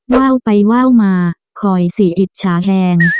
ว่าวไปว่าวมาคอยสีอิจฉาแห้ง